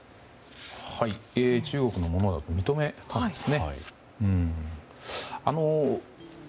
中国のものだと認めたんですね。